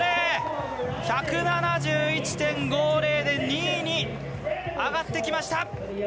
１７１．５０で２位に上がってきました。